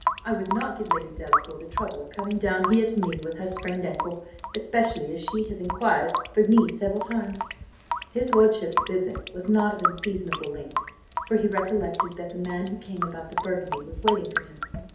I would not give Lady Delacour the trouble of coming down here to me with her sprained ankle, especially as she has inquired for me several times." His lordship's visit was not of unseasonable length; for he recollected that the man who came about the burgundy was waiting for him.